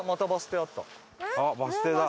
あっバス停だ。